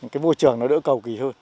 cái vô trường nó đỡ cầu kỳ hơn